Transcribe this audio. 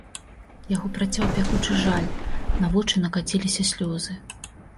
Яго працяў пякучы жаль, на вочы накаціліся слёзы.